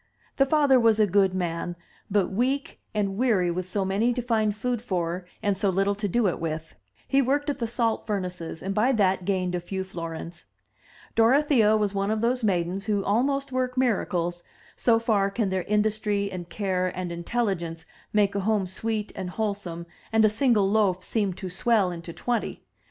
The father was a good man, but weak and weary with so 286 THE TREASURE CHEST many to find food for and so little to do it with. He worked at the salt furnaces, and by that gained a few florins. Dorothea was one of those maidens who almost work miracles, so far can their industry and care and intelligence make a home sweet and wholesome and a single loaf seem to swell into twenty.